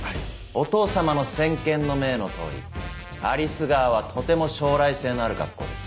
お父様の先見の明の通り有栖川はとても将来性のある学校です。